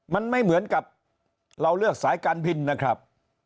มันไม่เหมือนกับเราเลือกสายการบินนะครับ